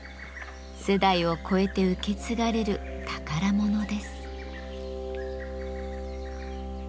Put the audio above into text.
世代を超えて受け継がれる宝物です。